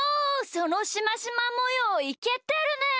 そのしましまもよういけてるね！